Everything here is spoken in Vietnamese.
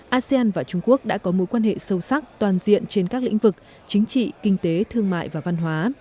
asean và trung quốc đã có mối quan hệ sâu sắc toàn diện trên các lĩnh vực chính trị kinh tế thương mại và văn hóa